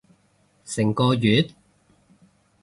成個月？